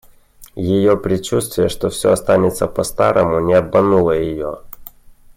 Ее предчувствие, что всё останется по-старому, — не обмануло ее.